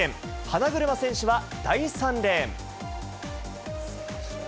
花車選手は第３レーン。